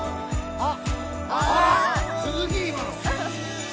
あっ！